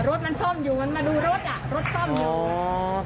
รถมันซ่อมอยู่มันมาดูรถอ่ะรถรถซ่อมอยู่